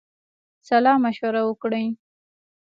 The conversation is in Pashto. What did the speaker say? سلامشوره وکړی.